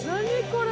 これ！